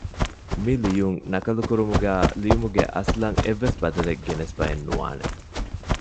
މިލިޔުން ނަކަލުކުރުމުގައި ލިޔުމުގެ އަސްލަށް އެއްވެސް ބަދަލެއް ގެނެސްފައެއް ނުވާނެ